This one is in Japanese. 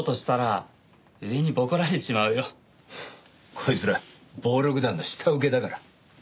こいつら暴力団の下請けだから。